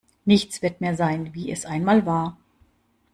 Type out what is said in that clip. Nichts wird mehr sein, wie es einmal war.